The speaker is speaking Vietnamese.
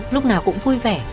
lúc nào cũng vui vẻ